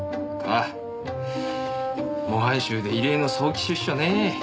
模範囚で異例の早期出所ねえ。